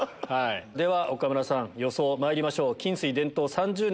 では岡村さん予想まいりましょう。